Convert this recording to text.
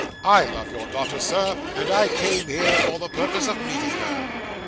I love your daughter, sir; and I came here for the purpose of meeting her."